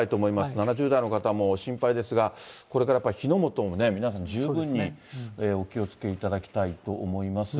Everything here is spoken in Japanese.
７０代の方も心配ですが、これからやっぱり火の元もね、皆さん十分にお気をつけいただきたいと思います。